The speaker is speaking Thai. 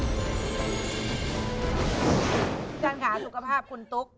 คุณตุ๊กในการหาสุขภาพ